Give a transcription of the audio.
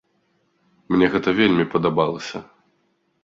Мне гэта вельмі падабалася.